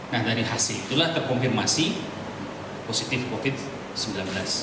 nah dari hasil itulah terkonfirmasi positif covid sembilan belas